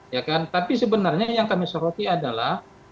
ya kan tapi sebenarnya yang kami soroti adalah